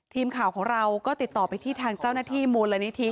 ทีมข่าวของเราก็ติดต่อไปที่ทางเจ้าหน้าที่มูลนิธิ